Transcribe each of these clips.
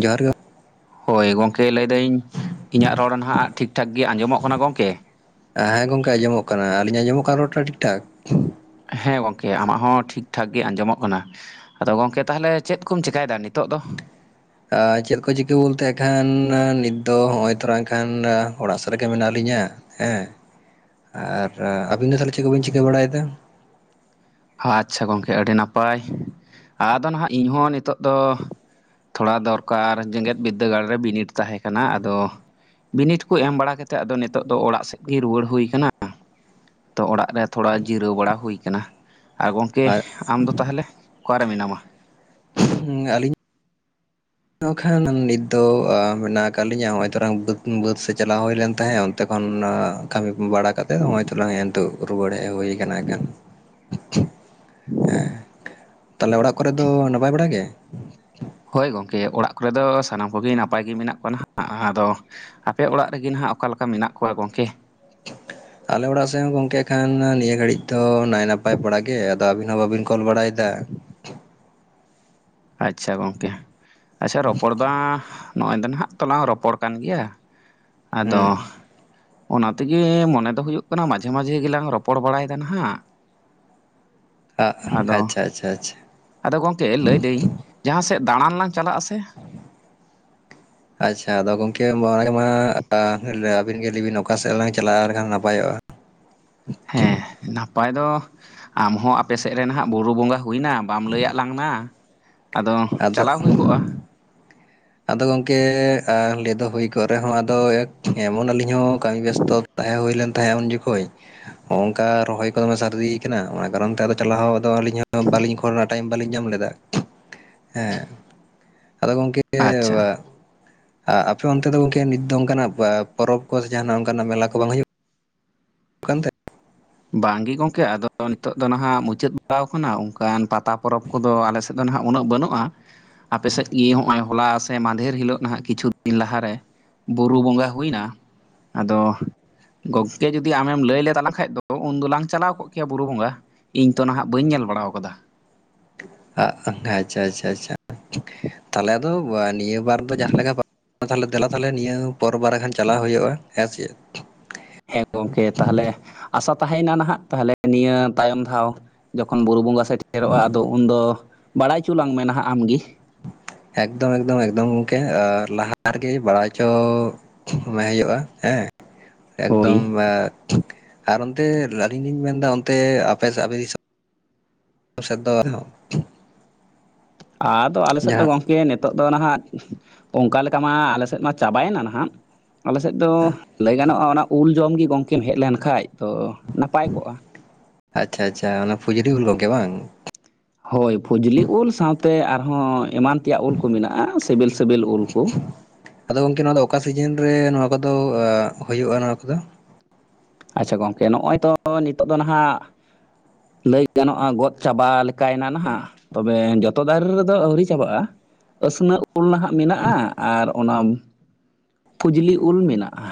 ᱡᱚᱦᱟᱨ ᱜᱮ᱾ ᱦᱳᱭ ᱜᱚᱝᱠᱮ ᱞᱟᱹᱭᱫᱟᱹᱧ ᱤᱧᱟᱹᱜ ᱨᱚᱲ ᱱᱟᱦᱟᱜ ᱴᱷᱤᱠ ᱴᱷᱟᱠ ᱜᱮ ᱟᱸᱡᱚᱢᱚᱜ ᱠᱟᱱᱟ ᱜᱚᱝᱠᱮ? ᱦᱮᱸ ᱜᱚᱝᱠᱮ ᱟᱸᱚᱢᱚᱜ ᱠᱟᱱᱟ, ᱟᱹᱞᱤᱧ ᱟᱸᱚᱢᱚᱜ ᱠᱟᱱᱟ ᱨᱚᱲ ᱴᱟ ᱴᱷᱤᱠ ᱴᱷᱟᱠ? ᱦᱮᱸ ᱜᱚᱝᱠᱮ ᱟᱢᱟᱜ ᱦᱚᱸ ᱴᱷᱤᱠ ᱴᱷᱟᱠ ᱜᱮ ᱟᱸᱡᱚᱢᱚᱜ ᱠᱟᱱᱟ᱾ ᱟᱫᱚ ᱜᱚᱝᱠᱮ ᱛᱟᱦᱚᱞᱮ ᱪᱮᱫ ᱠᱚᱢ ᱪᱮᱠᱟᱭ ᱫᱟ, ᱱᱤᱛᱚᱜ ᱫᱚ? ᱮᱸ ᱪᱮᱫ ᱠᱚ ᱪᱤᱠᱟᱹ ᱵᱚᱞᱛᱮ ᱟᱠᱷᱟᱱ ᱱᱤᱛ ᱫᱚ ᱦᱚᱸᱜᱼᱚᱭ ᱛᱚᱨᱟ ᱠᱷᱟᱱ ᱚᱲᱟᱜ ᱥᱮᱫ ᱨᱮᱜᱮ ᱢᱮᱱᱟᱜ ᱞᱤᱧᱟ᱾ ᱦᱮᱸ ᱟᱨ ᱟᱹᱵᱤᱱ ᱫᱚ ᱛᱟᱦᱚᱞᱮ ᱪᱮᱫ ᱠᱚ ᱵᱤᱱ ᱪᱤᱠᱟᱹ ᱵᱟᱲᱟᱭᱫᱟ? ᱦᱟᱹ ᱟᱪᱪᱷᱟ ᱜᱚᱝᱠᱮ ᱟᱹᱰᱤ ᱱᱟᱯᱟᱭ, ᱟᱫᱚ ᱱᱟᱦᱟᱜ ᱤᱧᱦᱚᱸ ᱱᱤᱛᱚᱜ ᱫᱚ ᱛᱷᱚᱲᱟ ᱫᱚᱨᱠᱟᱨ ᱡᱮᱜᱮᱛ ᱵᱤᱫᱽᱫᱟᱹᱜᱟᱲ ᱨᱮ ᱵᱤᱱᱤᱰ ᱛᱟᱦᱮᱸ ᱠᱟᱱᱟ᱾ ᱟᱫᱚ ᱵᱤᱱᱤᱰ ᱠᱚ ᱮᱢ ᱵᱟᱲᱟ ᱠᱟᱛᱮ ᱱᱤᱛᱚᱜ ᱫᱚ ᱚᱲᱟᱜ ᱥᱮᱫ ᱜᱮ ᱨᱩᱭᱟᱹᱲ ᱦᱩᱭ ᱠᱟᱱᱟ᱾ ᱛᱚ ᱚᱲᱟᱜ ᱨᱮ ᱛᱷᱚᱲᱟ ᱡᱤᱨᱟᱹᱣ ᱵᱟᱲᱟ ᱦᱩᱭ ᱠᱟᱱᱟ, ᱟᱨ ᱜᱚᱢᱠᱮ ᱟᱢᱫᱚ ᱛᱟᱦᱚᱞᱮ? ᱚᱠᱟᱨᱮ ᱢᱮᱱᱟᱢᱟ? [inaudible] ᱟᱹᱞᱤᱧ ᱠᱷᱟᱱ ᱱᱤᱛ ᱫᱚ ᱟ ᱢᱮᱱᱟᱜ ᱟᱠᱟᱫ ᱞᱤᱧᱟᱹ ᱦᱚᱹ ᱚᱭ ᱛᱨᱟᱝ ᱵᱟᱹᱫ, ᱵᱟᱹᱫ ᱥᱮᱫ ᱪᱟᱞᱟᱣ ᱦᱩᱭ ᱞᱮᱱ ᱛᱟᱦᱮᱸᱫ, ᱛᱚᱠᱷᱚᱱ ᱠᱟᱹᱢᱤ ᱵᱟᱲᱟ ᱠᱟᱛᱮ ᱦᱚᱹᱜᱼᱚᱭ ᱛᱚᱞᱟᱝ ᱦᱮᱸ ᱱᱤᱛᱚᱜ ᱨᱩᱣᱟᱹᱲ ᱦᱮᱡ ᱦᱩᱭᱩ ᱠᱟᱱᱟ ᱮᱠᱷᱮᱱ ᱦᱮᱸ ᱛᱟᱦᱚᱞᱮ ᱚᱲᱟᱜ ᱠᱚᱨᱮ ᱫᱚ ᱱᱟᱯᱟᱭ ᱵᱟᱲᱟ ᱜᱮ? ᱦᱳᱭ ᱜᱚᱝᱠᱮ ᱚᱲᱟᱹᱜ ᱠᱚᱨᱮ ᱫᱚ ᱥᱟᱱᱟᱢ ᱠᱚᱜᱮ ᱱᱟᱯᱟᱭ ᱜᱮ ᱢᱮᱱᱟᱜ ᱠᱚᱣᱟ ᱦᱟᱸᱜ, ᱟᱫᱚ ᱟᱯᱮ ᱚᱲᱟᱜ ᱨᱮᱜᱮ ᱱᱟᱦᱟᱸᱜ ᱚᱠᱟᱮ ᱞᱮᱠᱟ ᱢᱮᱱᱟᱜ ᱠᱚᱣᱟ ᱜᱚᱢᱠᱮ? ᱟᱞᱮ ᱚᱲᱟᱜ ᱥᱮᱫ ᱦᱚᱸ ᱜᱚᱝᱠᱮ ᱠᱷᱟᱱ ᱱᱤᱭᱟᱹ ᱜᱷᱟᱹᱲᱤᱡ ᱫᱚ ᱱᱟᱭ ᱱᱟᱯᱟᱭ ᱵᱟᱲᱟ ᱜᱮ, ᱟᱫᱚ ᱟᱹᱵᱤᱱ ᱦᱚᱸ ᱵᱟᱵᱤᱱ ᱠᱚᱞ ᱵᱟᱲᱟᱭᱫᱟ᱾ ᱟᱪᱪᱷᱟ ᱜᱚᱝᱠᱮ, ᱟᱪᱪᱷᱟ ᱨᱚᱯᱚᱲ ᱫᱚ ᱟᱸᱻ ᱱᱚᱜᱼᱚᱭ ᱫᱚ ᱱᱟᱦᱟᱜ ᱛᱚᱞᱟᱝ ᱨᱚᱯᱚᱲ ᱠᱟᱱ ᱜᱮᱭᱟ ᱟᱫᱚ ᱦᱩᱸ ᱚᱱᱟ ᱛᱮᱜᱮ ᱢᱚᱱᱮ ᱦᱩᱭᱩᱜ ᱠᱟᱱᱟ, ᱢᱟᱡᱷᱮ ᱢᱟᱡᱷᱮ ᱜᱮᱞᱟᱝ ᱨᱚᱯᱚᱲ ᱵᱟᱲᱟᱭᱫᱟ ᱱᱟᱦᱟᱜ᱾ ᱟᱜ ᱟᱫᱚ ᱟᱪᱪᱷᱟ ᱪᱷᱟ ᱪᱷᱟ᱾ ᱟᱫᱚ ᱜᱚᱝᱠᱮ ᱞᱟᱹᱭ ᱫᱟᱹᱧ ᱡᱟᱦᱟᱸ ᱥᱮᱫ ᱫᱟᱬᱟᱱ ᱞᱟᱝ ᱪᱟᱞᱟᱜ ᱟ ᱥᱮ [inaudible] ᱟᱪᱪᱷᱟ ᱟᱫᱚ ᱜᱚᱝᱠᱮ ᱚᱱᱟᱮ ᱢᱟ ᱟᱹᱵᱤᱱ ᱜᱮ ᱞᱟᱹᱭᱵᱤᱱ ᱚᱠᱟ ᱥᱮᱫᱞᱟᱟᱝ ᱪᱟᱞᱟᱜᱼᱟ ᱮᱠᱷᱟᱱ ᱱᱟᱯᱟᱭᱚᱜᱼᱟ ᱦᱮᱸ᱾ ᱱᱟᱯᱟᱭ ᱫᱚ ᱟᱢᱦᱚᱸ ᱟᱯᱮᱥᱮᱫ ᱨᱮᱱ ᱦᱟᱸᱜ ᱵᱩᱨᱩ ᱵᱚᱸᱜᱟ ᱦᱩᱭ ᱱᱟ ᱵᱟᱢ ᱞᱮᱹᱭᱟᱜ ᱞᱟᱝ ᱱᱟᱟᱫᱚ ᱟᱫᱚ ᱪᱟᱞᱟᱣ ᱦᱩᱭ ᱠᱚᱜᱼᱟ᱾ ᱟᱫᱚ ᱜᱚᱢᱠᱮ ᱟ ᱞᱮᱭ ᱫᱚ ᱦᱩᱭ ᱠᱚᱜ ᱨᱮᱦᱚᱸ ᱟᱫᱚ ᱮᱢᱚᱱ ᱟᱹᱞᱤᱧ ᱦᱚᱸ ᱠᱟᱹᱢᱤ ᱵᱮᱥᱛᱚ ᱛᱟᱦᱮᱸ ᱦᱩᱭᱞᱮᱱ ᱛᱟᱦᱮᱸᱜ ᱩᱱ ᱡᱚᱠᱷᱚᱡ ᱦᱚᱸ ᱚᱝᱠᱟ ᱨᱚᱦᱚᱭ ᱠᱚ ᱫᱚᱢᱮ ᱥᱟᱨᱫᱤ ᱠᱟᱱᱟ, ᱚᱱᱟ ᱠᱟᱨᱚᱱ ᱛᱮ ᱟᱫ ᱛᱮᱞᱟᱦᱚᱸ ᱟᱫᱚ ᱟᱹᱞᱤᱧᱟᱜ ᱫᱚ ᱵᱟᱹᱞᱤᱧ ᱠᱚᱨᱟᱣ ᱴᱟᱭᱤᱢ ᱵᱟᱞᱤᱧ ᱧᱟᱢ ᱞᱮᱫᱟ᱾ ᱦᱮᱸ ᱟᱫᱚ ᱜᱚᱢᱠᱮ ᱟᱪᱪᱷᱟ ᱟᱯᱮ ᱚᱱᱛᱮ ᱫᱚ ᱜᱚᱝᱠᱮ ᱱᱤᱛ ᱫᱚ ᱚᱱᱠᱟᱱᱟᱜ ᱯᱟ-ᱯᱚᱨᱚᱵᱽ ᱠᱚ ᱥᱮ ᱡᱟᱦᱟᱱᱟᱜ ᱚᱝᱠᱟᱱᱟᱜ ᱢᱮᱞᱟ ᱠᱚ ᱵᱟᱝ ᱦᱩᱭᱩᱜ [inaudible] ᱵᱟᱝᱜᱮ ᱜᱚᱝᱠᱮ ᱟᱫᱚ ᱱᱤᱛᱚᱜ ᱫᱚ ᱱᱟᱦᱟᱜ ᱢᱩᱪᱟᱹᱫ ᱵᱟᱲᱟ ᱟᱠᱟᱱᱟ ᱚᱱᱠᱟᱱ ᱯᱟᱛᱟ ᱯᱚᱨᱚᱵᱽ ᱠᱚᱫᱚ ᱟᱞᱮ ᱥᱮᱫ ᱫᱚ ᱱᱟᱦᱟᱜ ᱩᱱᱟᱹᱜ ᱵᱟᱹᱱᱩᱜᱼᱟ ᱟᱯᱮ ᱥᱮᱫ ᱜᱮ ᱱᱚᱜᱼᱚᱭ ᱦᱚᱞᱟ ᱥᱮ ᱢᱟᱫᱷᱮᱨ ᱦᱤᱞᱳᱜ ᱱᱟᱦᱟᱜ ᱠᱤᱪᱷᱩ ᱫᱤᱱ ᱞᱟᱦᱟᱨᱮ ᱵᱩᱨᱩ ᱵᱚᱸᱜᱟ ᱦᱩᱭᱱᱟ ᱟᱫᱚ ᱜᱚᱝᱠᱮ ᱡᱩᱫᱤ ᱟᱢᱮᱢ ᱞᱟᱹᱭ ᱞᱮ ᱛᱟᱞᱟᱝ ᱠᱷᱟᱡ ᱫᱚ ᱛᱚ ᱩᱱ ᱫᱚᱞᱟᱝ ᱪᱟᱞᱟᱣ ᱠᱚᱜ ᱠᱮᱭᱟ ᱵᱩᱨᱩ ᱵᱚᱸᱜᱟ ᱤᱧ ᱛᱚ ᱱᱟᱦᱟᱜ ᱵᱟᱹᱧ ᱧᱮᱞ ᱵᱟᱲᱟᱣ ᱟᱠᱟᱫᱟ ᱟᱪᱪᱷᱟ ᱟᱪᱪᱷᱟ ᱪᱷᱟ ᱛᱟᱦᱞᱮ ᱫᱚ ᱱᱤᱭᱟᱹ ᱵᱟᱨ ᱫᱚ ᱡᱟᱦᱟᱸ ᱞᱮᱠᱟ ᱛᱟᱦᱞᱮ ᱫᱮᱞᱟ ᱛᱟᱦᱞᱮ ᱱᱤᱭᱟᱹ ᱯᱚᱨ ᱵᱟᱨᱟ ᱠᱷᱟᱱ ᱪᱟᱞᱟᱣ ᱦᱩᱭᱩᱜᱼᱟ ᱦᱮᱸᱥᱮ ᱦᱮᱸ ᱜᱚᱢᱠᱮ ᱛᱟᱦᱚᱞᱮ ᱟᱥᱟ ᱛᱟᱦᱮᱸᱭᱮᱱᱟ ᱱᱟᱦᱟᱜ ᱛᱟᱦᱚᱞᱮ ᱱᱤᱭᱟᱹ ᱛᱟᱭᱚᱢ ᱫᱷᱟᱣ ᱡᱚᱠᱷᱚᱱ ᱵᱩᱨᱩ ᱵᱚᱸᱜᱟ ᱥᱮᱮᱨᱚᱜᱼᱟ ᱟᱫᱚ ᱩᱱᱫᱚ ᱵᱟᱲᱟᱭ ᱦᱚᱪᱚ ᱞᱟᱝ ᱢᱮ ᱦᱟᱸᱜ ᱟᱢ ᱜᱮ ᱮᱠᱫᱚᱢ ᱮᱠᱫᱚᱢ ᱮᱠᱫᱚᱢ ᱜᱚᱝᱠᱮ ᱟᱨ ᱞᱟᱦᱟ ᱨᱮᱜᱮ ᱵᱟᱲᱟᱭ ᱪᱚ ᱦᱩᱭᱩᱜᱼᱟ ᱦᱮᱸ ᱦᱳᱭ ᱮᱠᱫᱚᱢ ᱟᱨ ᱚᱱᱛᱮ ᱟᱹᱞᱤᱧ ᱞᱤᱧ ᱢᱮᱱᱫᱟ ᱚᱱᱛᱮ ᱟᱯᱮ ᱥᱮᱫ ᱟᱯᱮ ᱫᱤᱥᱚᱢ ᱟᱫᱚ ᱟᱞᱮ ᱥᱮᱫ ᱫᱚ ᱡᱟᱦᱟᱸ ᱜᱚᱢᱠᱮ ᱱᱤᱛᱚᱜ ᱫᱚ ᱱᱟᱦᱟᱜ ᱚᱱᱠᱟ ᱞᱮᱠᱟ ᱢᱟ ᱟᱞᱮ ᱥᱮᱫ ᱢᱟ ᱪᱟᱵᱟᱭᱮᱱᱟ ᱱᱟᱦᱟᱜ ᱟᱞᱮ ᱥᱮᱫ ᱫᱚ ᱞᱟᱹᱭ ᱜᱟᱱᱚᱜᱼᱟ ᱚᱱᱟ ᱩᱞ ᱡᱚᱢᱜᱮ ᱜᱚᱝᱠᱮᱢ ᱦᱮᱡ ᱞᱮᱱ ᱠᱷᱟᱱᱡ ᱛᱚ ᱱᱟᱯᱟᱭ ᱠᱚᱜᱼᱟ ᱟᱪᱪᱷᱟ ᱟᱪᱪᱷᱟ ᱚᱱᱟ ᱯᱷᱩᱡᱩᱨᱤ ᱩᱩᱞ ᱠᱚᱜᱮ ᱵᱟᱝ ᱦᱳᱭ ᱯᱷᱚᱡᱽᱞᱤ ᱩᱞ ᱥᱟᱶᱛᱮ ᱟᱨᱦᱚᱸ ᱮᱢᱟᱱ ᱛᱮᱭᱟᱜ ᱩᱞ ᱠᱚ ᱢᱮᱱᱟᱜᱼᱟ ᱥᱤᱵᱤᱞ ᱥᱤᱵᱤᱞ ᱩᱞ ᱠᱚ ᱟᱫᱚ ᱜᱚᱝᱠᱮ ᱱᱚᱣᱟ ᱫᱚ ᱚᱠᱟ ᱥᱤᱡᱤᱱ ᱨᱮ ᱱᱚᱣᱟ ᱠᱚᱫᱚ ᱦᱩᱭᱩᱜᱼᱟ ᱱᱚᱣᱟ ᱠᱚᱫᱚ ᱟᱪᱪᱷᱟ ᱜᱚᱝᱠᱮ ᱱᱚᱜᱼᱚᱭ ᱛᱚ ᱱᱤᱛᱚᱜ ᱫᱚ ᱱᱟᱦᱟᱜ ᱞᱟᱹᱭ ᱜᱟᱱᱚᱜᱼᱟ ᱜᱚᱫ ᱪᱟᱵᱟ ᱞᱮᱠᱟᱭᱮᱱᱟ ᱱᱟᱦᱟᱜ ᱛᱚᱵᱮ ᱡᱚᱛᱚ ᱫᱟᱨᱮ ᱨᱮᱫᱚ ᱟᱹᱣᱨᱤ ᱪᱟᱵᱟᱜᱼᱟ ᱟᱹᱥᱱᱟᱹ ᱩᱞ ᱱᱟᱦᱟᱜ ᱢᱮᱱᱟᱜᱼᱟ ᱟᱨ ᱚᱱᱟ ᱯᱷᱩᱡᱽᱞᱤ ᱩᱞ ᱢᱮᱱᱟᱜᱼᱟ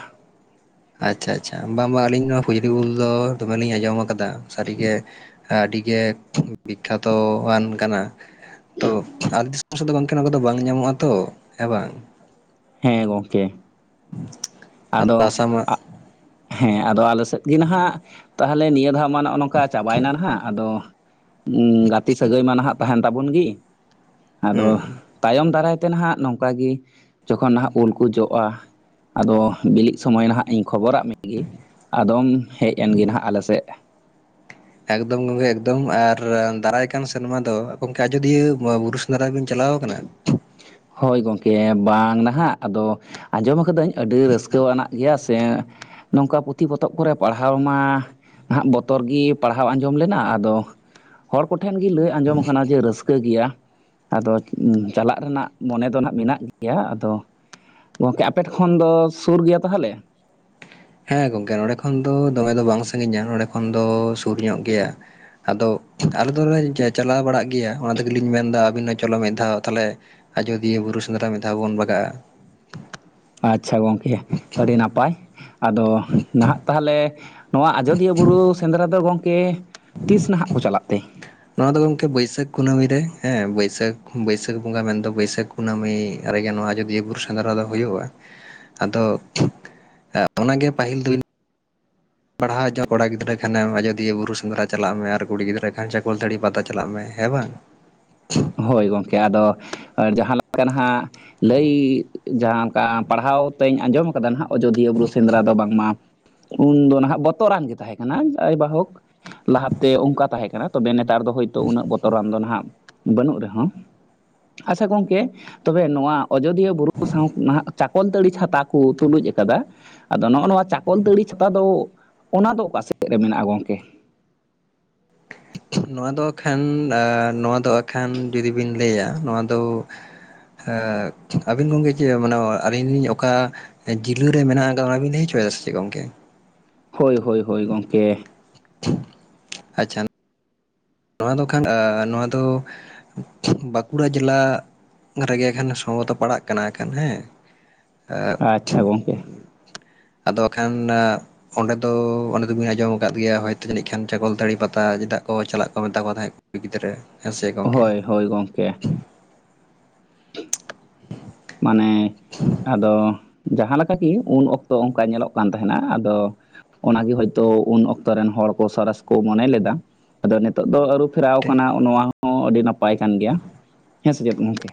ᱟᱪᱪᱷᱟ ᱟᱪᱪᱷᱟ ᱵᱟᱝ ᱵᱟᱝ ᱟᱹᱞᱤᱧ ᱱᱚᱣᱟ ᱯᱷᱩᱡᱽᱞᱤ ᱩᱞ ᱫᱚ ᱫᱚᱢᱮ ᱞᱤᱧ ᱟᱸᱡᱚᱢ ᱠᱟᱫᱟ ᱥᱟᱹᱨᱤ ᱜᱮ ᱟᱹᱰᱤ ᱜᱮ ᱵᱤᱠᱠᱷᱟᱛᱣᱚᱟᱱ ᱠᱟᱱᱟ ᱛᱚ ᱫᱚ ᱜᱚᱝᱠᱮ ᱠᱚ ᱫᱚ ᱵᱟᱝ ᱧᱟᱢᱚᱜ ᱟᱛᱚ ᱦᱮᱸ ᱵᱚᱝ ᱦᱮᱸ ᱜᱚᱢᱠᱮ ᱟᱫᱚ ᱦᱮᱸ ᱟᱫᱚ ᱟᱞᱮ ᱥᱮᱫ ᱜᱮ ᱱᱟᱦᱟᱜ ᱛᱟᱦᱚᱞᱮ ᱱᱤᱭᱟᱹ ᱫᱷᱟᱣ ᱢᱟ ᱱᱚᱜᱼᱚ ᱱᱚᱝᱠᱟ ᱪᱟᱵᱟᱭᱮᱱᱟ ᱱᱟᱦᱟᱜ ᱟᱫᱚ ᱜᱟᱛᱮ ᱥᱟᱹᱜᱟᱹᱭ ᱢᱟ ᱱᱟᱦᱟᱜ ᱛᱟᱦᱮᱸᱱ ᱛᱟᱵᱚᱱ ᱜᱮ ᱟᱫᱚ ᱦᱩᱸ ᱛᱟᱭᱚᱢ ᱫᱟᱨᱟᱭ ᱛᱮ ᱱᱟᱦᱟᱜ ᱱᱚᱝᱠᱟ ᱜᱮ ᱡᱚᱠᱷᱚᱱ ᱱᱟᱦᱟᱜ ᱩᱞ ᱠᱚ ᱡᱚᱜᱼᱟ ᱟᱫᱚ ᱵᱤᱞᱤᱜ ᱥᱚᱢᱚᱭ ᱱᱟᱦᱟᱜ ᱤᱧ ᱠᱷᱚᱵᱚᱨᱟᱜ ᱢᱮᱜᱮ ᱟᱫᱚᱢ ᱦᱮᱡ ᱮᱱᱜᱮ ᱱᱟᱦᱟᱜ ᱟᱞᱮ ᱥᱮᱫ ᱮᱠᱫᱚᱢ ᱜᱚᱝᱠᱮ ᱮᱠᱫᱚᱢ ᱟᱨ ᱫᱟᱨᱟᱭ ᱠᱟᱱ ᱥᱮᱨᱢᱟ ᱫᱚ ᱜᱚᱝᱠᱮ ᱟᱡᱚᱫᱤᱭᱟᱹ ᱵᱩᱨᱩ ᱫᱷᱟᱨᱟ ᱵᱤᱱ ᱪᱟᱞᱟᱣ ᱟᱠᱟᱱᱟ ᱦᱳᱭ ᱜᱚᱢᱠᱮ ᱵᱟᱝ ᱱᱟᱦᱟᱜ ᱟᱫᱚ ᱟᱸᱡᱚᱢ ᱟᱠᱟᱹᱫᱟᱹᱧ ᱟᱹᱰᱤ ᱨᱟᱹᱥᱠᱟᱹᱣᱟᱱᱟᱜ ᱜᱮᱭᱟ ᱥᱮ ᱱᱚᱝᱠᱟ ᱯᱩᱛᱷᱤ ᱯᱚᱛᱚᱵ ᱠᱚᱨᱮ ᱯᱟᱲᱦᱟᱣ ᱢᱟ ᱦᱟᱸᱜ ᱵᱚᱛᱚᱨ ᱜᱮ ᱯᱟᱲᱦᱟᱣ ᱟᱸᱡᱚᱢ ᱞᱮᱱᱟ ᱟᱫᱚ ᱦᱚᱲ ᱠᱚᱴᱷᱮᱱ ᱜᱮ ᱞᱟᱹᱭ ᱟᱸᱡᱚᱢ ᱟᱠᱟᱱᱟ ᱡᱮ ᱨᱟᱹᱥᱠᱟᱹ ᱜᱮᱭᱟ ᱟᱫᱚ ᱩᱸ ᱪᱟᱞᱟᱜ ᱨᱮᱱᱟᱜ ᱢᱚᱱᱮ ᱫᱚ ᱦᱟᱜ ᱢᱮᱱᱟᱜ ᱜᱮᱭᱟ ᱟᱫᱚ ᱜᱚᱝᱠᱮ ᱟᱯᱮ ᱠᱷᱚᱱ ᱫᱚ ᱥᱩᱨ ᱜᱮᱭᱟ ᱛᱟᱦᱚᱞᱮ ᱦᱮᱸ ᱜᱚᱝᱠᱮ ᱱᱚᱸᱰᱮ ᱠᱷᱚᱱ ᱫᱚ ᱫᱚᱢᱮ ᱫᱚ ᱵᱟᱝ ᱥᱟᱺᱜᱤᱧᱟ ᱱᱚᱸᱰᱮ ᱠᱷᱚᱱ ᱫᱚ ᱥᱩᱨ ᱧᱚᱜ ᱜᱮᱭᱟ ᱟᱫᱚ ᱟᱞᱮ ᱫᱚᱞᱮ ᱪᱟᱞᱟᱣ ᱵᱟᱲᱟᱜ ᱜᱮᱭᱟ ᱚᱱᱟ ᱛᱮᱜᱮ ᱞᱤᱧ ᱢᱮᱱᱫᱟ ᱟᱹᱵᱤᱱ ᱦᱚᱸ ᱪᱚᱞᱚ ᱢᱤᱫ ᱫᱷᱟᱣ ᱛᱟᱞᱦᱮ ᱟᱡᱚᱫᱤᱭᱟᱹ ᱵᱩᱨᱩ ᱥᱮᱸᱫᱽᱨᱟ ᱢᱤᱫ ᱫᱷᱟᱣ ᱵᱚᱱ ᱵᱟᱜᱟᱼᱟ ᱟᱪᱪᱷᱟ ᱜᱚᱝᱠᱮ ᱟᱹᱰᱤ ᱱᱟᱯᱟᱭ ᱟᱫᱚ ᱱᱟᱦᱟᱜ ᱛᱟᱦᱞᱮ ᱱᱚᱣᱟ ᱟᱡᱚᱫᱤᱭᱟᱹ ᱵᱩᱨᱩ ᱥᱮᱸᱫᱽᱨᱟ ᱫᱚ ᱜᱚᱢᱠᱮ ᱛᱤᱥ ᱱᱟᱦᱟᱜ ᱠᱚ ᱪᱟᱞᱟᱜ ᱛᱮ ᱱᱚᱣᱟ ᱫᱚ ᱜᱚᱢᱠᱮ ᱵᱟᱹᱭᱥᱟᱹᱠᱷ ᱠᱩᱱᱟᱹᱢᱤ ᱨᱮ ᱦᱮᱸ ᱵᱟᱹᱭᱥᱟᱹᱠᱷ ᱵᱟᱹᱭᱥᱟᱹᱠᱷ ᱵᱚᱸᱜᱟ ᱢᱮᱱᱫᱚ ᱵᱟᱹᱭᱥᱟᱹᱠᱷ ᱠᱩᱱᱟᱹᱢᱤ ᱨᱮᱜᱮ ᱱᱚᱣᱟ ᱟᱡᱳᱚᱫᱤᱭᱟᱹ ᱵᱩᱨᱩ ᱥᱮᱸᱫᱽᱨᱟ ᱫᱚ ᱦᱩᱭᱩᱜᱼᱟ ᱟᱫᱚ ᱚᱱᱟᱜᱮ ᱯᱟᱹᱦᱤᱞ ᱫᱤᱱ ᱯᱟᱲᱦᱟᱣ ᱦᱚᱤᱡᱚᱜᱼᱟ ᱠᱚᱲᱟ ᱜᱤᱫᱽᱨᱟᱹ ᱠᱷᱟᱱᱮᱢ ᱟᱡᱚᱫᱤᱭᱟᱹ ᱵᱩᱨᱩ ᱥᱮᱸᱫᱽᱨᱟ ᱪᱟᱞᱟᱜ ᱢᱮ ᱟᱨ ᱠᱩᱲᱤ ᱜᱤᱫᱽᱨᱟᱹ ᱠᱷᱟᱱ ᱪᱟᱠᱚᱞᱫ ᱫᱟᱲᱤ ᱯᱟᱛᱟ ᱪᱟᱞᱟᱜ ᱢᱮ ᱦᱮᱸ ᱵᱟᱝ ᱦᱳᱭ ᱜᱚᱢᱠᱮ ᱟᱫᱚ ᱡᱟᱦᱟᱸ ᱞᱮᱠᱟ ᱱᱟᱜ ᱞᱟᱹᱭ ᱡᱟᱦᱟᱸ ᱚᱱᱠᱟ ᱯᱟᱲᱦᱟᱣ ᱛᱮᱧ ᱟᱸᱡᱚᱢ ᱠᱟᱫᱟ ᱦᱟᱸᱜ ᱟᱡᱳᱫᱤᱭᱟᱹ ᱵᱩᱨᱩ ᱥᱮᱸᱫᱽᱨᱟ ᱫᱚ ᱵᱟᱝᱢᱟ ᱩᱱᱫᱚ ᱱᱟᱦᱟᱜ ᱵᱚᱛᱚᱨᱟᱱ ᱜᱮ ᱛᱟᱦᱮᱸ ᱠᱟᱱᱟ ᱡᱟᱭᱦᱳᱠ ᱞᱟᱦᱟᱛᱮ ᱚᱱᱠᱟ ᱛᱟᱦᱮᱸ ᱠᱟᱱᱟ᱾ ᱛᱚᱵᱮ ᱱᱮᱛᱟᱨ ᱫᱚ ᱦᱳᱭᱛᱳ ᱩᱱᱟᱹᱜ ᱵᱚᱛᱚᱨᱟᱱ ᱫᱚ ᱱᱟᱦᱟᱜ᱾ ᱵᱟᱹᱱᱩᱜ ᱨᱮᱦᱚᱸ ᱟᱪᱪᱷᱟ ᱜᱚᱝᱠᱮ ᱛᱚᱵᱮ ᱱᱚᱣᱟ ᱟᱡᱚᱫᱤᱭᱟᱹ ᱵᱩᱨᱩ ᱥᱟᱶ ᱱᱟᱦᱟᱜ ᱪᱟᱠᱚᱞᱛᱟᱹᱲᱤ ᱪᱷᱟᱛᱟ ᱠᱚ ᱛᱩᱞᱩᱡ ᱟᱠᱟᱫᱟ ᱟᱫᱚ ᱱᱚᱜᱼᱚ ᱱᱚᱣᱟ ᱪᱟᱠᱚᱞᱛᱟᱹᱲᱤ ᱪᱷᱟᱛᱟ ᱫᱚ ᱚᱱᱟ ᱫᱚ ᱚᱠᱟ ᱥᱮᱫ ᱨᱮ ᱢᱮᱱᱟᱜᱼᱟ ᱜᱚᱝᱠᱮ ᱱᱚᱣᱟ ᱫᱚ ᱟᱜᱠᱷᱟᱱ ᱱᱚᱣᱟ ᱫᱚ ᱟᱜᱠᱷᱟᱱ ᱡᱩᱫᱤ ᱵᱤᱱ ᱞᱟᱹᱭᱟ ᱱᱚᱣᱟ ᱫᱚ ᱮᱸᱜ ᱟᱹᱵᱤᱱ ᱜᱚᱝᱠᱮ ᱪᱮᱫ ᱢᱟᱱᱮ ᱟᱹᱞᱤᱧ ᱞᱤᱧ ᱚᱠᱟ ᱡᱤᱞᱩ ᱨᱮ ᱢᱮᱱᱟᱜ ᱟᱠᱟᱫᱟ ᱚᱱᱟ ᱵᱤᱱ ᱞᱟᱹᱭ ᱦᱚᱪᱚᱭᱮᱫᱟ ᱥᱮ ᱪᱮᱫ ᱜᱚᱝᱠᱮ ᱦᱳᱭ ᱦᱳᱭ ᱦᱳᱭ ᱜᱚᱝᱠᱮ ᱟᱪᱪᱷᱟ ᱱᱚᱣᱟ ᱫᱚ ᱠᱷᱟᱱ ᱟᱸ ᱱᱚᱣᱟ ᱫᱚ ᱵᱟᱸᱠᱩᱲᱟ ᱡᱮᱞᱟ ᱨᱮᱜᱮ ᱠᱷᱟᱱ ᱥᱚᱢᱵᱷᱚᱵᱚᱛᱚ ᱯᱟᱲᱟᱜ ᱠᱟᱱᱟ ᱡᱟᱸᱜᱟ ᱠᱷᱟᱱ ᱦᱮᱸ ᱟᱪᱪᱷᱟ ᱜᱚᱝᱠᱮ ᱟᱫᱚ ᱦᱟᱸᱜ ᱠᱷᱟᱱ ᱚᱸᱰᱮ ᱫᱚ ᱚᱸᱰᱮ ᱫᱚ ᱵᱤᱱ ᱟᱸᱡᱚᱢ ᱟᱠᱟᱫ ᱜᱮᱭᱟ ᱦᱚᱭᱛᱳ ᱡᱟᱹᱱᱤᱡ ᱠᱷᱟᱱ ᱪᱟᱠᱚᱞᱛᱟᱹᱲᱤ ᱯᱟᱛᱟ ᱪᱮᱫᱟᱜ ᱠᱚ ᱪᱟᱞᱟᱜ ᱠᱚ ᱢᱮᱛᱟ ᱠᱚ ᱛᱟᱦᱮᱸᱫ ᱠᱩᱲᱤ ᱜᱤᱫᱽᱨᱟᱹ ᱦᱮᱸ ᱥᱮ ᱜᱚᱝᱠᱮ ᱦᱳᱭ ᱦᱳᱭ ᱜᱚᱝᱠᱮ ᱢᱟᱱᱮ ᱟᱫᱚ ᱡᱟᱦᱟᱸ ᱞᱮᱠᱟ ᱠᱤ ᱩᱱ ᱚᱠᱛᱚ ᱚᱱᱠᱟ ᱧᱮᱞᱚᱜ ᱠᱟᱱ ᱛᱟᱦᱮᱱᱟ ᱟᱫᱚ ᱚᱱᱟᱜᱮ ᱦᱳᱭᱛᱳ ᱩᱱ ᱚᱠᱛᱚ ᱨᱮᱱ ᱦᱚᱲ ᱠᱚ ᱥᱚᱨᱮᱥ ᱠᱚ ᱢᱚᱱᱮ ᱞᱮᱫᱟ ᱟᱫᱚ ᱱᱤᱛᱚᱜ ᱫᱚ ᱟᱹᱨᱩ ᱯᱷᱮᱨᱟᱣ ᱠᱟᱱᱟ ᱱᱚᱣᱟ ᱦᱚᱸ ᱟᱹᱰᱤ ᱱᱟᱯᱟᱭ ᱠᱟᱱ ᱜᱮᱭᱟ ᱦᱮᱸ ᱥᱮ ᱪᱮᱫ ᱜᱚᱢᱠᱮ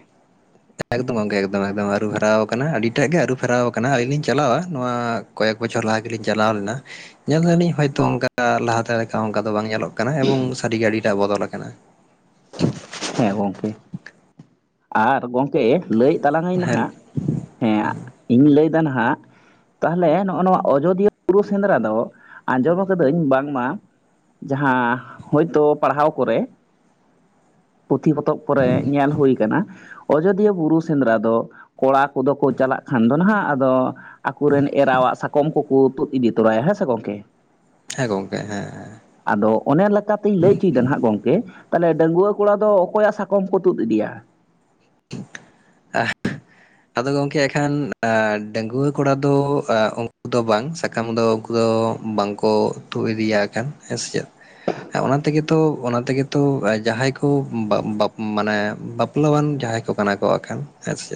ᱮᱠᱫᱚᱢ ᱜᱚᱝᱠᱮ ᱮᱠᱫᱚᱢ ᱮᱠᱫᱚᱢ ᱟᱹᱨᱩ ᱯᱷᱮᱨᱟᱣ ᱠᱟᱱᱟ ᱟᱹᱰᱤᱴᱟᱜ ᱜᱮ ᱟᱹᱨᱩ ᱯᱷᱮᱨᱟᱣ ᱟᱠᱟᱱᱟ ᱟᱹᱞᱤᱧ ᱞᱤᱧ ᱪᱟᱞᱟᱣᱟ᱾ ᱱᱚᱣᱟ ᱠᱚᱭᱮᱠ ᱵᱚᱪᱷᱚᱨ ᱞᱟᱦᱟ ᱜᱮᱞᱤᱧ ᱪᱟᱞᱟᱣ ᱞᱮᱱᱟ᱾ ᱧᱮᱞ ᱫᱟᱞᱤᱧ ᱦᱚᱭᱛᱳ ᱚᱱᱠᱟ ᱞᱟᱦᱟᱛᱮ ᱞᱮᱠᱟ ᱚᱱᱠᱟ ᱫᱚ ᱵᱟᱝ ᱧᱮᱞᱚᱜ ᱠᱟᱱᱟ ᱮᱵᱚᱝ ᱥᱟᱹᱨᱤ ᱜᱮ ᱟᱹᱰᱤ ᱴᱟᱜ ᱵᱚᱫᱚᱞ ᱟᱠᱟᱱᱟ᱾ ᱦᱮᱸ ᱜᱚᱝᱠᱮ᱾ ᱟᱨ ᱜᱚᱝᱠᱮ ᱞᱟᱹᱭᱮᱫ ᱛᱟᱞᱟᱝ ᱟᱧ ᱦᱮᱸ ᱱᱟᱦᱟᱜ ᱦᱮᱸ ᱤᱧ ᱞᱟᱹᱭᱫᱟ ᱱᱟᱦᱟᱜ ᱛᱟᱦᱞᱮ ᱱᱚᱜᱼᱚ ᱱᱚᱣᱟ ᱟᱡᱚᱫᱤᱭᱟᱹ ᱵᱩᱨᱩ ᱥᱮᱸᱫᱽᱨᱟ ᱫᱚ ᱟᱸᱡᱚᱢ ᱟᱠᱟᱫᱟᱹᱧ ᱵᱟᱝᱢᱟ ᱡᱟᱦᱟᱸ ᱦᱳᱭᱛᱳ ᱯᱟᱲᱦᱟᱣ ᱠᱚᱨᱮ ᱯᱩᱛᱷᱤ ᱯᱚᱛᱚᱵ ᱠᱚᱨᱮ ᱧᱮᱞ ᱦᱩᱭ ᱠᱟᱱᱟ ᱟᱡᱚᱫᱤᱭᱟᱹ ᱵᱩᱨᱩ ᱥᱮᱸᱫᱽᱨᱟ ᱫᱚ ᱠᱚᱲᱟ ᱠᱚᱫᱚ ᱠᱚ ᱪᱟᱞᱟᱜ ᱠᱷᱟᱱ ᱫᱚ ᱱᱟᱦᱟᱜ ᱟᱫᱚ ᱟᱠᱚᱨᱮᱱ ᱮᱨᱟᱣᱟᱜ ᱥᱟᱠᱚᱢ ᱠᱚᱠᱚ ᱛᱩᱫ ᱤᱫᱤ ᱛᱚᱨᱟᱭᱟ ᱦᱮᱸ ᱥᱮ ᱜᱚᱝᱠᱮ ᱦᱮᱸ ᱜᱚᱝᱠᱮ ᱦᱮᱸ ᱦᱮᱸ ᱟᱫᱚ ᱚᱱᱟ ᱞᱮᱠᱟᱛᱤᱧ ᱞᱟᱹᱭ ᱦᱚᱪᱚᱭᱮᱫᱟ ᱱᱟᱦᱟᱜ ᱜᱚᱝᱠᱮ ᱛᱟᱞᱦᱮ ᱰᱟᱺᱜᱽᱣᱟᱹ ᱠᱚᱲᱟ ᱫᱚ ᱚᱠᱚᱭᱟᱜ ᱥᱟᱠᱚᱢ ᱠᱚ ᱛᱩᱫ ᱤᱫᱤᱭᱟ [unintelligible] ᱟᱫᱚ ᱜᱚᱝᱠᱮ ᱮᱠᱷᱟᱱ ᱰᱟᱺᱜᱩᱣᱟᱹ ᱠᱚᱲᱟ ᱫᱚ ᱩᱱᱠᱩ ᱫᱚ ᱵᱟᱝ ᱥᱟᱠᱟᱢ ᱫᱚ ᱩᱱᱠᱩ ᱫᱚ ᱵᱟᱝᱠᱚ ᱛᱩᱫ ᱤᱫᱤᱭᱟ ᱟᱠᱟᱱ ᱦᱮᱸ ᱥᱮ ᱪᱮᱫ ᱦᱮᱸ ᱚᱱᱟ ᱛᱮᱜᱮᱛᱚ ᱚᱱᱟ ᱛᱮᱜᱮᱛᱚ ᱡᱟᱦᱟᱸᱭ ᱠᱚ ᱵᱟᱯ ᱵᱟᱯ ᱢᱟᱱᱮ [unintelligible] ᱡᱟᱦᱟᱸᱭ ᱠᱚ ᱠᱟᱱᱟ ᱠᱚ ᱦᱮᱸ ᱥᱮ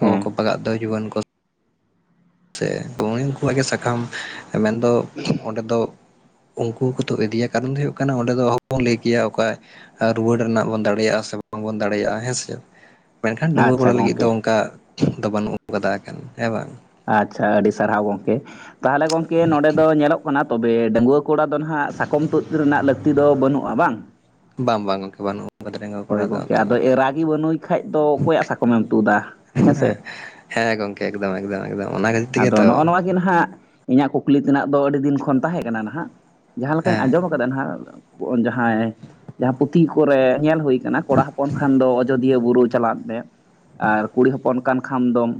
ᱦᱮᱸ [unintelligible] ᱥᱮ ᱩᱱᱠᱩᱣᱟᱜ ᱜᱮ ᱥᱟᱠᱟᱢ ᱢᱮᱱᱫᱚ ᱚᱸᱰᱮ ᱫᱚ ᱩᱱᱠᱩ ᱠᱚ ᱛᱚ ᱤᱫᱤᱭᱟ ᱠᱟᱨᱚᱱ ᱫᱚ ᱦᱩᱭᱩᱜ ᱠᱟᱱᱟ ᱚᱸᱰᱮ ᱫᱚ ᱚᱦᱚ ᱵᱚᱱ ᱞᱟᱹᱭ ᱠᱮᱭᱟ ᱚᱠᱟ ᱨᱩᱣᱟᱹᱲ ᱨᱮᱱᱟᱜ ᱵᱚᱱ ᱫᱟᱲᱮᱭᱟᱜᱼᱟ ᱥᱮ ᱵᱟᱝᱵᱚᱱ ᱫᱟᱲᱮᱭᱟᱜᱼᱟ ᱦᱮᱸ ᱥᱮ ᱢᱮᱱᱠᱷᱟᱱ ᱰᱟᱺᱩᱣᱟᱹ ᱠᱚᱲᱟ ᱟᱪᱪᱷᱟ ᱞᱟᱹᱜᱤᱫ ᱜᱚᱝᱠᱮ ᱫᱚ ᱚᱱᱠᱟ ᱫᱚ ᱵᱟᱹᱱᱩᱜ ᱠᱟᱫᱟ ᱦᱮᱸ ᱵᱟᱝ ᱟᱪᱪᱷᱟ ᱟᱹᱰᱤ ᱥᱟᱨᱦᱟᱣ ᱜᱚᱝᱠᱮ ᱛᱟᱦᱚᱞᱮ ᱜᱚᱢᱠᱮ ᱱᱚᱸᱰᱮ ᱫᱚ ᱧᱮᱞᱚᱜ ᱠᱟᱱᱟ ᱛᱚᱵᱮ ᱰᱟᱺᱜᱽᱣᱟᱹ ᱠᱚᱲᱟ ᱫᱚ ᱱᱟᱦᱟᱜ ᱥᱟᱠᱚᱢ ᱛᱩᱫ ᱨᱮᱱᱟᱜ ᱞᱟᱹᱠᱛᱤ ᱫᱚ ᱵᱟᱹᱱᱩᱜᱼᱟ ᱵᱟᱝ ᱵᱟᱝ ᱵᱟᱝ ᱵᱟᱹᱱᱩᱜᱼᱟ ᱦᱳᱭ ᱜᱚᱝᱠᱮ ᱟᱫᱚ ᱮᱨᱟ ᱜᱮ ᱵᱟᱱᱩᱭ ᱠᱷᱟᱡ ᱫᱚ ᱚᱠᱚᱭᱟᱜ ᱥᱟᱠᱚᱢ ᱮᱢ ᱛᱩᱫᱟ ᱦᱮᱸᱥᱮ ᱦᱮᱸ ᱜᱚᱝᱠᱮ ᱮᱠᱫᱚᱢ ᱮᱠᱫᱚᱢ ᱮᱠᱫᱚᱢ ᱚᱱᱟ ᱠᱷᱟᱛᱤᱨ ᱛᱮᱜᱮ ᱟᱫᱚ ᱛᱚ ᱱᱚᱜᱼᱚ ᱱᱚᱣᱟ ᱜᱮ ᱱᱟᱦᱟᱜ ᱤᱧᱟᱹᱜ ᱠᱩᱠᱞᱤ ᱛᱮᱱᱟᱜ ᱫᱚ ᱟᱹᱰᱤ ᱫᱤᱱ ᱠᱷᱚᱱ ᱛᱟᱦᱮᱸ ᱠᱟᱱᱟ ᱱᱟᱦᱟᱜ ᱡᱟᱦᱟᱸ ᱞᱮᱠᱟᱧ ᱦᱮᱸ ᱟᱸᱡᱚᱢ ᱨᱮᱱᱱᱟᱜ ᱡᱟᱦᱟᱸᱭ ᱡᱟᱦᱟᱸ ᱯᱩᱛᱷᱤ ᱠᱚᱨᱮ ᱧᱮᱞ ᱦᱩᱭ ᱟᱠᱟᱱᱟ ᱠᱚᱲᱟ ᱦᱚᱯᱚᱱ ᱠᱷᱟᱱ ᱫᱚ ᱚᱡᱳᱫᱽᱫᱷᱟ ᱟᱡᱚᱫᱷᱤᱭᱟᱹ ᱵᱩᱨᱩ ᱪᱟᱞᱟᱜ ᱢᱮ ᱟᱨ ᱠᱩᱲᱤ ᱦᱚᱯᱚᱱ ᱠᱟᱱ ᱠᱷᱟᱱ ᱫᱚᱢ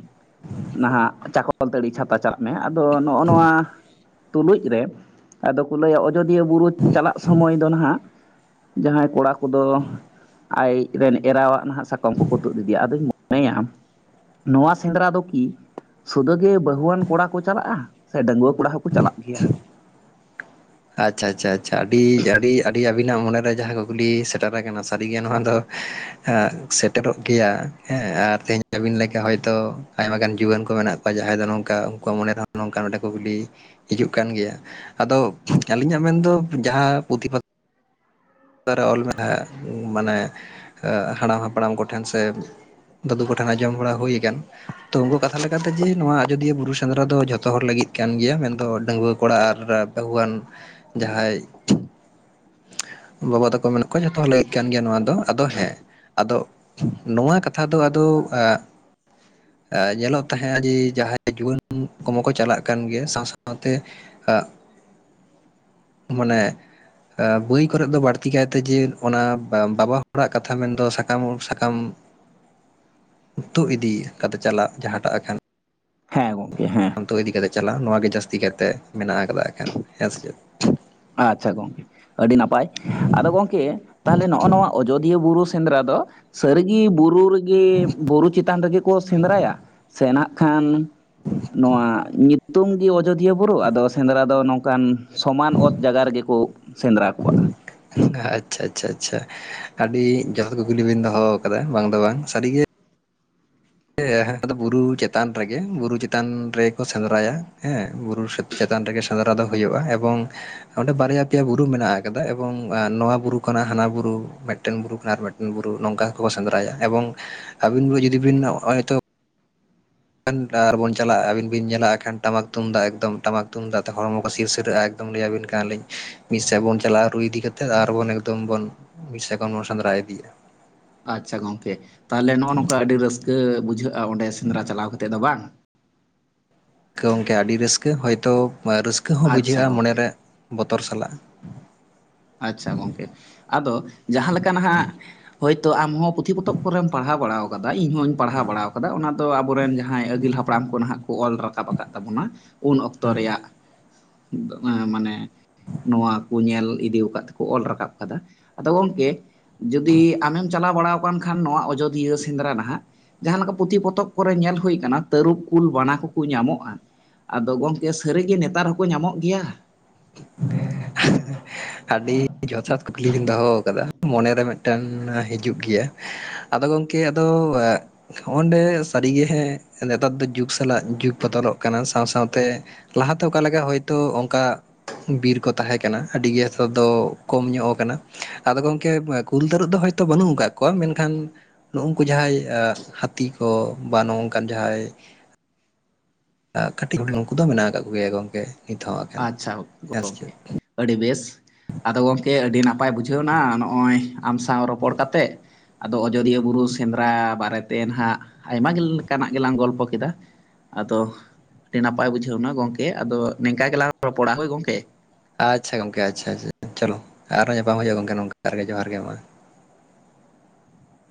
ᱱᱟᱦᱟᱜ ᱪᱷᱟᱛᱟ ᱪᱟᱞᱟᱜ ᱢᱮ ᱟᱫᱚ ᱱᱚᱜᱼᱚ ᱱᱚᱣᱟ ᱛᱩᱞᱩᱡ ᱨᱮ ᱟᱫᱚ ᱠᱚ ᱞᱟᱹᱭᱟ ᱚᱡᱚᱫᱤᱭᱟᱹ ᱵᱩᱨᱩ ᱪᱟᱞᱟᱜ ᱥᱚᱢᱚᱭ ᱫᱚ ᱱᱟᱦᱟᱜ ᱡᱟᱦᱟᱸᱭ ᱠᱚᱲᱟ ᱠᱚᱫᱚ ᱟᱡ ᱨᱮᱱ ᱮᱨᱟ ᱦᱟᱜ ᱱᱟᱦᱟᱜ ᱥᱟᱠᱚᱢ ᱠᱚᱠᱚ ᱛᱩᱫ ᱤᱫᱤᱭᱟ ᱟᱫᱚᱧ ᱢᱚᱱᱮᱭᱟ ᱱᱚᱣᱟ ᱥᱮᱸᱫᱽᱨᱟ ᱫᱚ ᱠᱤ ᱥᱩᱫᱷᱟᱹ ᱜᱮ ᱵᱟᱹᱦᱩᱣᱟᱱ ᱠᱚᱲᱟ ᱠᱚ ᱪᱟᱞᱟᱜᱼᱟ ᱥᱮ ᱰᱟᱺᱜᱩᱣᱟᱹ ᱠᱚᱲᱟ ᱦᱚᱸᱠᱚ ᱪᱟᱞᱟᱜ ᱜᱮᱭᱟ ᱟᱪᱪᱷᱟ ᱟᱪᱪᱷᱟ ᱟᱹᱰᱤ ᱟᱹᱰᱤ ᱟᱹᱰᱤ ᱟᱵᱤᱱᱟᱜ ᱢᱚᱱᱮ ᱨᱮ ᱡᱟᱦᱟᱸ ᱠᱩᱠᱞᱤ ᱥᱮᱴᱮᱨ ᱟᱠᱟᱱᱟ ᱥᱟᱹᱨᱤᱜᱮ ᱱᱚᱣᱟ ᱫᱚ ᱥᱮᱴᱮᱨᱚᱜ ᱜᱮᱭᱟ ᱦᱮᱸ ᱟᱨ ᱛᱮᱦᱮᱧ ᱟ. ᱵᱤᱱ ᱞᱮᱠᱟ ᱦᱚᱳᱭᱛᱚ ᱟᱭᱢᱟ ᱜᱟᱱ ᱡᱩᱣᱟᱹᱱ ᱠᱚ ᱢᱮᱱᱟᱜ ᱠᱚᱣᱟ ᱡᱟᱦᱟᱸᱭ ᱫᱚ ᱱᱚᱝᱠᱟ ᱩᱱᱠᱩ ᱟᱜ ᱢᱚᱱᱮ ᱨᱮ ᱦᱚᱸ ᱱᱚᱝᱠᱟ ᱢᱤᱫᱴᱟᱝ ᱠᱩᱠᱞᱤ ᱦᱤᱡᱩᱜ ᱠᱟᱱ ᱜᱮᱭᱟ ᱟᱫᱚ ᱟᱹᱞᱤᱧᱟᱜ ᱢᱮᱱ ᱫᱚ ᱡᱟᱦᱟᱸ ᱯᱩᱸᱛᱷᱤ ᱯᱟᱛᱷᱟᱢ ᱚᱠᱟ ᱨᱮ ᱚᱞ ᱢᱮᱱᱟᱜ-ᱟ ᱢᱟᱱᱮ ᱦᱟᱲᱟᱢ ᱦᱟᱯᱲᱟᱢ ᱠᱚᱴᱷᱮᱱ ᱥᱮ ᱫᱟᱹᱫᱩ ᱠᱚᱴᱷᱮᱱ ᱟᱸᱡᱚᱢ ᱵᱟᱲᱟ ᱦᱩᱭᱠᱟᱱ ᱛᱚ ᱩᱱᱠᱩ ᱟᱜ ᱠᱟᱛᱷᱟ ᱞᱮᱠᱟᱛᱮ ᱡᱮ ᱱᱚᱣᱟ ᱟᱡᱚᱫᱤᱭᱟᱹ ᱵᱩᱨᱩ ᱥᱮᱸᱫᱽᱨᱟ ᱫᱚ ᱡᱷᱚᱛᱚ ᱦᱚᱲ ᱞᱟᱹᱜᱤᱫ ᱠᱟᱱ ᱜᱮᱭᱟ ᱢᱮᱱᱫᱚ ᱰᱟᱺᱜᱩᱭᱟᱹ ᱠᱚᱲᱟ ᱟᱨ ᱵᱟᱹᱦᱩᱣᱟᱱ ᱡᱟᱦᱟᱸᱭ ᱵᱟᱵᱟ ᱛᱟᱠᱚ ᱢᱮᱱᱟᱜ ᱠᱚᱣᱟ ᱡᱷᱚᱛᱚ ᱦᱚᱲ ᱞᱟᱹᱜᱤᱫ ᱠᱟᱱ ᱜᱮᱭᱟ ᱱᱚᱣᱟ ᱫᱚ ᱟᱫᱚ ᱦᱮᱸ ᱟᱫᱚ ᱱᱚᱣᱟ ᱠᱟᱛᱷᱟ ᱫᱚ ᱟᱫᱚ ᱮ ᱧᱮᱞᱚᱜ ᱛᱟᱦᱮᱸᱫ ᱡᱮ ᱡᱟᱦᱟᱸᱭ ᱡᱩᱭᱟᱹᱱ ᱠᱚ ᱦᱚᱸ ᱠᱚ ᱪᱟᱞᱟᱜ ᱠᱟᱱ ᱜᱮᱭᱟ ᱥᱟᱶ ᱥᱟᱶᱛᱮ ᱟᱜ ᱢᱟᱱᱮ ᱵᱳᱤ ᱠᱚᱨᱮ ᱫᱚ ᱵᱟᱲᱛᱤ ᱞᱟᱹᱠᱛᱤ ᱠᱟᱭᱛᱮ ᱡᱮ ᱚᱱᱟ ᱵᱟᱵᱟ ᱦᱚᱲᱟᱜ ᱠᱟᱛᱷᱟ ᱢᱮᱱᱫᱚ ᱥᱟᱠᱟᱢ ᱚ ᱥᱟᱠᱟᱢ ᱛᱩᱫ ᱤᱫᱤ ᱠᱟᱛᱮ ᱪᱟᱞᱟᱜ ᱡᱟᱦᱟᱸᱴᱟᱜ ᱮᱱᱠᱷᱟᱱ ᱦᱮᱸ ᱜᱚᱝᱠᱮ ᱦᱮᱸ ᱛᱳ ᱤᱫᱤ ᱠᱟᱛᱮ ᱪᱟᱞᱟᱣ ᱱᱚᱣᱟ ᱜᱮ ᱡᱟᱹᱥᱛᱤ ᱠᱟᱭᱛᱮ ᱢᱮᱱᱟᱜ ᱟᱠᱟᱫᱟ ᱮᱠᱷᱮᱱ ᱦᱮᱸ ᱥᱮ ᱪᱮᱫ ᱟᱪᱪᱷᱟ ᱜᱚᱝᱠᱮ ᱟᱹᱰᱤ ᱱᱟᱯᱟᱭ ᱟᱫᱚ ᱜᱚᱢᱠᱮ ᱛᱟᱦᱚᱞᱮ ᱱᱚᱜᱼᱚᱭ ᱱᱚᱣᱟ ᱟᱡᱚᱫᱤᱭᱟᱹ ᱵᱩᱨᱩ ᱥᱮᱸᱫᱽᱨᱟ ᱫᱚ ᱥᱟᱹᱨᱤᱜᱮ ᱵᱩᱨᱩ ᱨᱮᱜᱮ ᱵᱩᱨᱩ ᱪᱮᱛᱟᱱ ᱨᱮᱜᱮ ᱠᱚ ᱥᱮᱸᱫᱽᱨᱟᱭᱟ ᱥᱮ ᱱᱟᱜ ᱠᱷᱟᱱ ᱱᱚᱣᱟ ᱧᱩᱛᱩᱢ ᱜᱮ ᱟᱡᱚᱫᱤᱭᱟᱹ ᱵᱩᱨᱩ ᱟᱫᱚ ᱥᱮᱸᱫᱽᱨᱟ ᱫᱚ ᱱᱚᱝᱠᱟᱱ ᱥᱚᱢᱟᱱ ᱚᱛ ᱡᱟᱭᱜᱟ ᱨᱮᱜᱮ ᱠᱚ ᱥᱮᱸᱫᱽᱨᱟ ᱠᱚᱣᱟ ᱟᱪᱪᱷᱟ ᱟᱪᱪᱷᱟ ᱟᱪᱪᱷᱟ ᱟᱹᱰᱤ ᱡᱚᱛᱷᱟᱛ ᱠᱩᱠᱞᱤ ᱜᱮ ᱵᱤᱱ ᱫᱚᱦᱚ ᱟᱠᱟᱫᱟ ᱵᱟᱝ ᱫᱚ ᱵᱟᱝ ᱥᱟᱹᱨᱤᱜᱮ ᱦᱮᱸ ᱟᱫᱚ ᱵᱩᱨᱩ ᱪᱮᱛᱟᱱ ᱨᱮᱜᱮ ᱵᱩᱨᱩ ᱪᱮᱛᱟᱱ ᱨᱮᱜᱮ ᱠᱚ ᱥᱮᱸᱫᱽᱨᱟᱭᱟ ᱦᱮᱸ ᱵᱩᱨᱩ ᱪᱮᱛᱟᱱ ᱨᱮᱜᱮ ᱥᱮᱸᱫᱽᱨᱟ ᱫᱚ ᱦᱩᱭᱩᱜᱼᱟ ᱮᱵᱚᱝ ᱚᱸᱰᱮ ᱵᱟᱨᱭᱟ ᱯᱮᱭᱟ ᱵᱩᱨᱩ ᱢᱮᱱᱟᱜ ᱟᱠᱟᱫᱟ ᱮᱵᱚᱝ ᱱᱚᱣᱟ ᱵᱩᱨᱩ ᱠᱷᱚᱱᱟᱜ ᱦᱟᱱᱟ ᱵᱩᱨᱩ ᱢᱤᱫᱴᱮᱱ ᱵᱩᱨᱩ ᱠᱷᱚᱱᱟᱜ ᱟᱨ ᱢᱤᱫᱴᱟᱝ ᱵᱩᱨᱩ ᱵᱩᱨᱩ ᱱᱚᱝᱠᱟ ᱦᱚᱸ ᱠᱚ ᱥᱮᱸᱫᱽᱨᱟᱭᱟ ᱮᱵᱚᱝ ᱟᱹᱵᱤᱱ ᱜᱮ ᱡᱩᱫᱤ ᱵᱤᱱ ᱦᱚᱸᱜᱼᱚᱭ ᱛᱚ ᱮᱠᱷᱮᱱ ᱟᱨ ᱵᱚᱱ ᱪᱟᱞᱟᱜᱼᱟ ᱟᱹᱵᱤᱱ ᱵᱤᱱ ᱧᱮᱞᱟ ᱮᱱᱠᱷᱟᱱ ᱴᱟᱢᱟᱠ ᱛᱩᱢᱫᱟᱜ ᱮᱠᱫᱚᱢ ᱴᱟᱢᱟᱠ ᱛᱩᱢᱫᱟᱜ ᱛᱮ ᱦᱚᱲᱢᱚ ᱠᱚ ᱥᱤᱨᱥᱤᱨᱟᱹᱜᱼᱟ ᱞᱟᱹᱭᱟᱵᱤᱱ ᱠᱟᱱᱟ ᱞᱤᱧ ᱢᱤᱫ ᱥᱮᱫ ᱵᱚᱱ ᱪᱟᱞᱟᱜᱼᱟ ᱨᱩ ᱤᱫᱤ ᱠᱟᱛᱮᱫ ᱟᱨᱵᱚᱱ ᱮᱠᱫᱚᱢ ᱵᱚᱱ ᱢᱤᱫ ᱥᱮᱫ ᱠᱷᱚᱱ ᱵᱚ ᱥᱮᱸᱫᱽᱨᱟ ᱤᱫᱤᱮᱫᱟ ᱟᱪᱪᱷᱟ ᱜᱚᱝᱠᱮ ᱛᱟᱦᱚᱞᱮ ᱱᱚᱜᱼᱚ ᱱᱚᱝᱠᱟ ᱟᱹᱰᱤ ᱨᱟᱹᱥᱠᱟᱹ ᱵᱩᱡᱷᱟᱹᱜᱼᱟ ᱚᱸᱰᱮ ᱥᱮᱸᱫᱽᱨᱟ ᱪᱟᱞᱟᱣ ᱠᱟᱛᱮ ᱫᱚ ᱵᱟᱝ ᱦᱳᱭᱛᱚ ᱜᱚᱝᱠᱮ ᱟᱹᱰᱤ ᱨᱟᱹᱥᱠᱟᱹ ᱦᱚᱭᱛᱚ ᱨᱟᱹᱥᱠᱟᱹ ᱦᱚᱸ ᱟᱪᱪᱷᱟ ᱵᱩᱡᱷᱟᱹᱜᱼᱟ ᱜᱚᱝᱠᱮ ᱢᱚᱱᱮᱨᱮ ᱵᱚᱛᱚᱨ ᱥᱟᱞᱟᱜ ᱟᱪᱪᱷᱟ ᱜᱚᱝᱠᱮ ᱟᱫᱚ ᱡᱟᱦᱟᱸ ᱞᱮᱠᱟ ᱱᱟᱦᱟᱜ ᱦᱳᱭᱛᱚ ᱟᱢᱦᱚᱸ ᱯᱩᱛᱷᱤ ᱯᱚᱛᱚᱵ ᱠᱚᱨᱮᱢ ᱯᱟᱲᱦᱟᱣ ᱵᱟᱲᱟᱣ ᱠᱟᱫᱟ ᱤᱧᱦᱚᱧ ᱯᱟᱲᱦᱟᱣ ᱵᱟᱲᱟ ᱠᱟᱫᱟ ᱚᱱᱟ ᱫᱚ ᱟᱵᱚᱨᱮᱱ ᱡᱟᱦᱟᱸᱭ ᱟᱹᱜᱤᱞ ᱦᱟᱯᱲᱟᱢ ᱠᱚ ᱱᱟᱦᱟᱜ ᱠᱚ ᱚᱞ ᱨᱟᱠᱟᱵ ᱟᱠᱟᱫ ᱛᱟᱵᱚᱱᱟ ᱩᱱ ᱚᱠᱛᱚ ᱨᱮᱭᱟᱜ ᱢᱟᱱᱮ ᱱᱚᱣᱟ ᱠᱚ ᱧᱮᱞ ᱤᱫᱤ [inaudible] ᱠᱚ ᱚᱞ ᱨᱟᱠᱟᱵ ᱠᱟᱫᱟ ᱟᱫᱚ ᱜᱚᱢᱝᱠᱮ ᱡᱩᱫᱤ ᱟᱢᱮᱢ ᱪᱟᱞᱟᱣ ᱵᱟᱲᱟ ᱟᱠᱟᱱ ᱠᱷᱟᱱ ᱱᱚᱣᱟ ᱟᱡᱳᱫᱤᱭᱟᱹ ᱥᱮᱸᱫᱽᱨᱟ ᱱᱟᱦᱟᱜ ᱡᱟᱦᱟᱸ ᱞᱮᱠᱟ ᱯᱩᱸᱛᱷᱤ ᱯᱚᱛᱚᱵ ᱠᱚᱨᱮ ᱧᱮᱞ ᱦᱩᱭ ᱟᱠᱟᱱᱟ ᱛᱟᱹᱨᱩᱵ ᱠᱩᱞ ᱵᱟᱱᱟ ᱠᱚᱠᱚ ᱧᱟᱢᱚᱜᱼᱟ ᱟᱫᱚ ᱜᱚᱝᱠᱮ ᱥᱟᱹᱨᱤᱜᱤ ᱱᱮᱛᱟᱨ ᱦᱚᱸᱠᱚ ᱧᱟᱢᱚᱜ ᱜᱮᱭᱟ [unintelligible] ᱟᱹᱰᱤ ᱡᱚᱛᱷᱟᱛ ᱠᱩᱠᱞᱤ ᱵᱤᱱ ᱫᱚᱦᱚ ᱟᱠᱟᱫᱟ ᱢᱚᱱᱮᱨᱮ ᱢᱤᱫᱴᱮᱱ ᱦᱤᱡᱩᱜ ᱜᱮᱭᱟ ᱟᱫᱚ ᱜᱚᱝᱠᱮ ᱟᱫᱚ ᱦᱚᱸᱜᱼᱰᱮ ᱥᱟᱹᱨᱤᱜᱮ ᱦᱮᱸ ᱱᱮᱛᱟᱨ ᱫᱚ ᱡᱩᱜᱽ ᱥᱟᱞᱟᱜ ᱡᱩᱜᱽ ᱵᱚᱫᱚᱞᱚᱜ ᱠᱟᱱᱟ ᱥᱟᱶ ᱥᱟᱶᱛᱮ ᱞᱟᱦᱟ ᱛᱮ ᱚᱠᱟ ᱞᱮᱠᱟ ᱦᱳᱭᱛᱳ ᱚᱱᱠᱟ ᱵᱤᱨ ᱠᱚ ᱛᱟᱦᱮᱸ ᱠᱟᱱᱟ ᱟᱹᱰᱤ ᱜᱮ ᱥᱚᱫᱫᱚ ᱠᱚᱢ ᱧᱚᱜ ᱟᱠᱟᱱᱟ ᱟᱫᱚ ᱜᱚᱝᱠᱮ ᱠᱩᱞ ᱛᱟᱹᱨᱩᱵ ᱫᱚ ᱦᱳᱭᱛᱚ ᱵᱟᱹᱱᱩᱜ ᱟᱠᱟᱫ ᱠᱚᱣᱟ ᱢᱮᱱᱠᱷᱟᱱ ᱱᱩᱠᱩ ᱡᱟᱦᱟᱸᱭ ᱦᱟᱹᱛᱤ ᱠᱚ ᱵᱟ ᱱᱚᱝᱠᱟᱱ ᱡᱟᱦᱟᱸᱭ ᱠᱟᱹᱴᱤᱡ ᱦᱚᱲ ᱩᱱᱠᱩ ᱫᱚ ᱢᱮᱱᱟᱜ ᱟᱠᱟᱫ ᱠᱚᱜᱮᱭᱟ ᱜᱚᱝᱠᱮ ᱱᱤᱛ ᱦᱚᱸ ᱮᱠᱷᱮᱱ ᱟᱪᱪᱷᱟ ᱦᱮᱸ ᱥᱮ ᱪᱮᱫ ᱜᱚᱢᱠᱮ ᱟᱹᱰᱤ ᱵᱮᱥ ᱟᱫᱚ ᱜᱚᱢᱠᱮ ᱟᱹᱰᱤ ᱱᱟᱯᱟᱭ ᱵᱩᱡᱷᱟᱹᱣᱱᱟ ᱱᱚᱜᱼᱚᱭ ᱟᱢ ᱥᱟᱶ ᱨᱚᱯᱚᱲ ᱠᱟ ᱠᱟᱛᱮᱫ ᱟᱫᱚ ᱟᱡᱳᱚᱫᱤᱭᱟᱹ ᱵᱩᱨᱩ ᱥᱮᱸᱫᱽᱨᱟ ᱵᱟᱨᱮᱛᱮ ᱱᱟᱦᱟᱜ ᱟᱭᱢᱟ ᱞᱮᱠᱟᱱᱟᱜ ᱜᱮᱞᱟᱝ ᱜᱚᱞᱯᱚ ᱠᱮᱫᱟ ᱟᱫᱚ ᱟᱹᱰᱤ ᱱᱟᱯᱟᱭ ᱵᱩᱡᱷᱟᱹᱣᱱᱟ ᱜᱚᱝᱠᱮ ᱟᱫᱚ ᱱᱤᱝᱠᱟ ᱜᱮᱞᱟᱝ ᱨᱚᱯᱚᱲᱟ ᱦᱳᱭ ᱜᱚᱝᱠᱮ ᱟᱪᱪᱷᱟ ᱜᱚᱝᱠᱮ ᱟᱪᱪᱷᱟ ᱟᱪᱷᱟ ᱪᱚᱞᱚ ᱟᱨᱚᱸ ᱧᱟᱯᱟᱢ ᱦᱩᱭᱩᱜᱼᱟ ᱜᱚᱢᱠᱮ ᱱᱚᱝᱠᱮ ᱡᱚᱦᱟᱨᱜ ᱜᱮ ᱢᱟ᱾